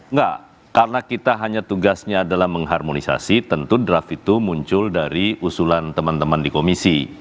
enggak karena kita hanya tugasnya adalah mengharmonisasi tentu draft itu muncul dari usulan teman teman di komisi